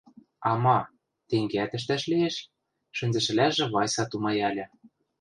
«А ма... тенгеӓт ӹштӓш лиэш», — шӹнзӹшӹлӓжӹ, Вайса тумаяльы...